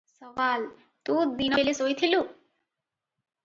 ସୱାଲ - ତୁ ଦିନବେଳେ ଶୋଇଥିଲୁ?